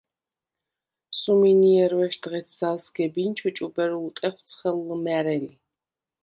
სუმინჲერვეშდ ღეთ ზავ სგებინჩუ ჭუბერ ულტეხვ ცხელ ლჷმა̈რელი.